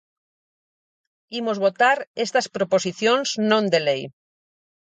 Imos votar estas proposicións non de lei.